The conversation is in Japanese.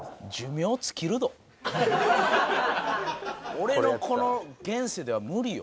俺のこの現世では無理よ。